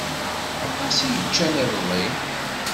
Aṭas i ččan iḍelli.